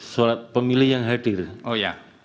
surat pemilih yang hadir oh ya